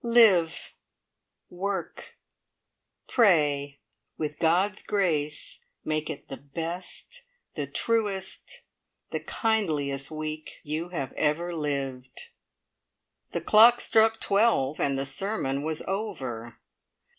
Live! Work! Pray! With God's grace make it the best, the truest, the kindliest week you have ever lived." The clock struck twelve, and the sermon was over.